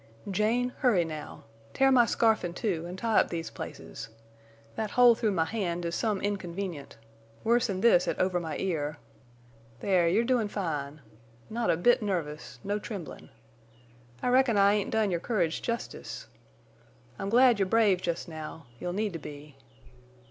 "Jane, hurry now. Tear my scarf in two, en' tie up these places. That hole through my hand is some inconvenient, worse'n this at over my ear. There—you're doin' fine! Not a bit nervous—no tremblin'. I reckon I ain't done your courage justice. I'm glad you're brave jest now—you'll need to be.